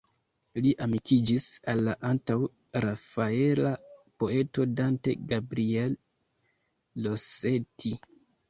Li amikiĝis al la antaŭ-rafaela poeto Dante Gabriel Rossetti.